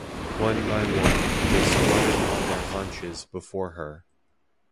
One by one, they squatted on their haunches before her.